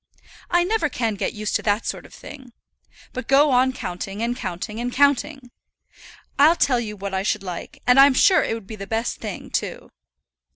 "I never can get used to that sort of thing; but go on counting, and counting, and counting. I'll tell you what I should like; and I'm sure it would be the best thing, too."